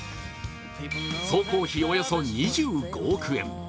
総工費およそ２５億円。